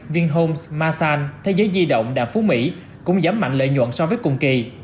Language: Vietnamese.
vinhomes marsan thế giới di động đàm phú mỹ cũng giảm mạnh lợi nhuận so với cùng kỳ